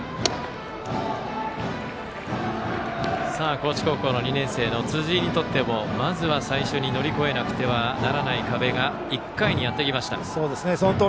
高知高校の２年生の辻井にとってもまずは最初に乗り越えなくてはならない壁が１回にやってきました。